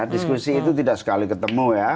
diskusi itu tidak sekali ketemu ya